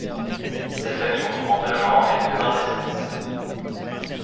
Cette famille comprend deux genres et plus de vingt espèces.